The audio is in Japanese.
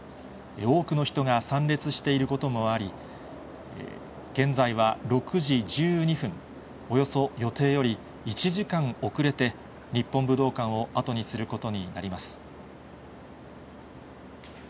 多くの人が参列していることもあり、現在は６時１２分、およそ予定より１時間遅れて、日本武道館を後にすることになります。